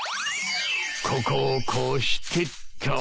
ここをこうしてっと。